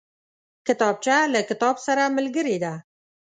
کتابچه له کتاب سره ملګرې ده